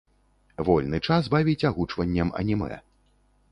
Вольны час бавіць агучваннем анімэ.